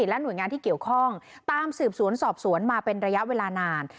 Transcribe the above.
และหน่วยงานที่เกี่ยวข้องตามสืบสวนสอบสวนมาเป็นระยะเวลานาน